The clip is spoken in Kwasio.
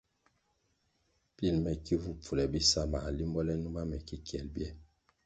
Pil me ki vu pfule bisa mā limbo le numa me ki kyel bye,